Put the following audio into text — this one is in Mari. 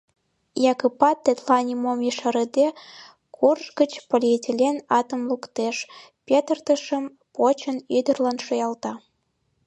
Якыпат, тетла нимом ешарыде, курш гыч полиэтилен атым луктеш, петыртышым почын, ӱдырлан шуялта.